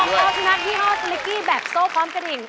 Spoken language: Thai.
เก่งมากฟองลอฟนักที่ฮอสลิกกี้แบบโซ่พร้อมกระดิ่ง